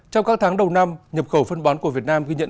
trong các tháng đầu năm nhập khẩu phân bón của việt nam ghi nhận